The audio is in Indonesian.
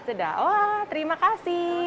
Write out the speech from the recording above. sudah wah terima kasih